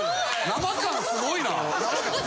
生感すごいな！